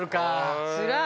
つらい。